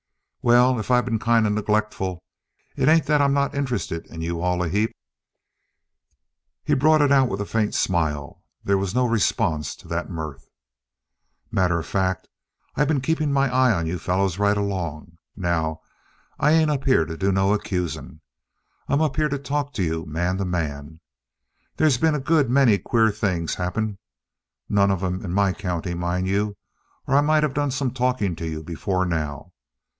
"Well, if I been kind of neglectful, it ain't that I'm not interested in you all a heap!" He brought it out with a faint smile; there was no response to that mirth. "Matter of fact, I been keeping my eye on you fellows right along. Now, I ain't up here to do no accusing. I'm up here to talk to you man to man. They's been a good many queer things happen. None of 'em in my county, mind you, or I might have done some talking to you before now.